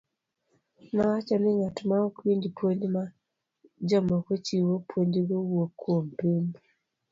Nowacho ni ng'at maok winj puonj ma jomoko chiwo, puonjgo wuok kuom piny.